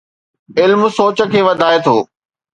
علم سوچ کي وڌائي ٿو.